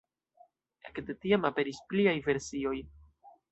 Ekde tiam aperis pliaj versioj.